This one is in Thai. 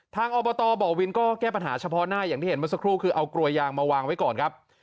อบตบ่อวินก็แก้ปัญหาเฉพาะหน้าอย่างที่เห็นเมื่อสักครู่คือเอากลวยยางมาวางไว้ก่อนครับ